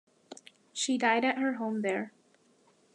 She died at her home there.